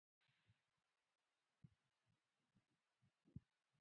ازادي راډیو د هنر اړوند مرکې کړي.